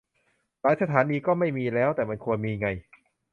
หลายสถานีก็ไม่มีแล้ว - แต่มันควรมีไง